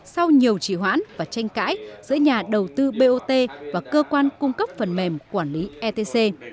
sau nhiều trì hoãn và tranh cãi giữa nhà đầu tư bot và cơ quan cung cấp phần mềm quản lý etc